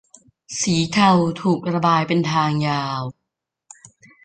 สีเทาถูกระบายเป็นทางยาว